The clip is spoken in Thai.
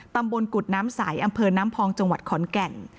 ตำบลกุฎน้ำใสอำเภอน้ำพองจังหวัดขอนแก่น